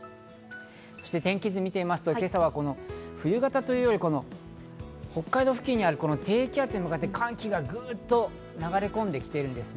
そして天気図を見てみますと今朝は冬型というより、北海道付近にある低気圧に向かって、寒気がぐっと流れ込んできているんですね。